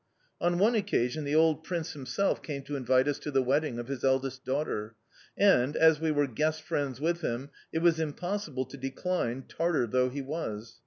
"On one occasion, the old prince himself came to invite us to the wedding of his eldest daughter; and, as we were guest friends with him, it was impossible to decline, Tartar though he was.